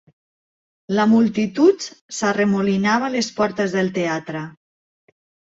La multitud s'arremolinava a les portes del teatre.